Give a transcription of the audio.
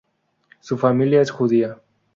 Su familia es judía.